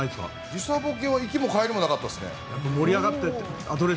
時差ボケは行きも帰りもなかったですね。